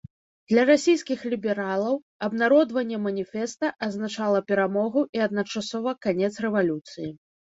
Для расійскіх лібералаў абнародаванне маніфеста азначала перамогу і адначасова канец рэвалюцыі.